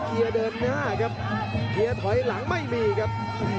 เกียร์เดินหน้าครับเกียร์ถอยหลังไม่มีครับ